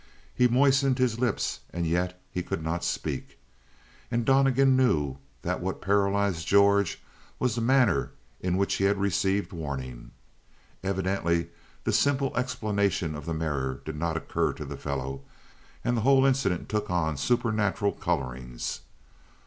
He moistened his lips, and yet he could not speak. And Donnegan knew that what paralyzed George was the manner in which he had received warning. Evidently the simple explanation of the mirror did not occur to the fellow; and the whole incident took on supernatural colorings.